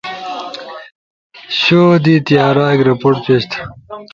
شو، دی تیارا، ایک رپورٹ پیش تھا